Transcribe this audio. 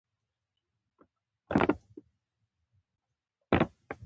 دا د شعار او مسؤلیت ردولو دواړو لپاره کار کولی شي